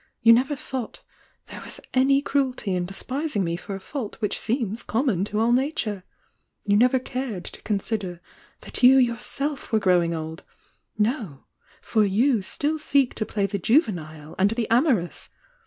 You ne' er thought there was any cruelty in despising mo tor a fault which seems com mon to all nature. You ntvt i cuied to consider that you yourself vt ro i^i r^win ^'>!("— no, for you still seek to play tiie juvcni'e w c. the amorous!